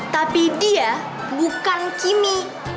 tapi dia bukan kimi